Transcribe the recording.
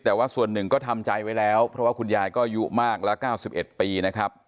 แต่ว่าส่วนหนึ่งก็ทำใจไว้แล้วเพราะว่าคุณยายก็อายุมากแล้ว๙๑ปีนะครับ